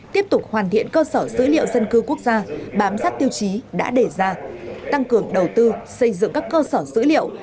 tiếp tục hoàn thiện cơ sở dữ liệu dân cư quốc gia bám sát tiêu chí đã đề ra tăng cường đầu tư xây dựng các cơ sở dữ liệu